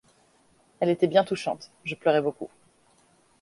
Elle était bien touchante ; je pleurais beaucoup.